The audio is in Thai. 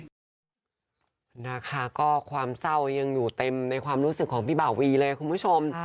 นะคะก็ความเศร้ายังอยู่เต็มในความรู้สึกของพี่บ่าวีเลยคุณผู้ชม